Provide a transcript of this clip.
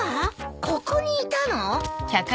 ここにいたの？